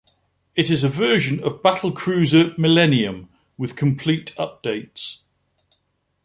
It is a version of "Battlecruiser Millennium" with complete updates.